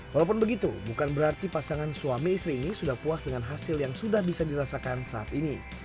walaupun begitu bukan berarti pasangan suami istri ini sudah puas dengan hasil yang sudah bisa dirasakan saat ini